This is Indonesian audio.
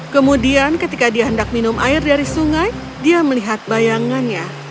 kemudian ketika dia hendak minum air dari sungai dia melihat bayangannya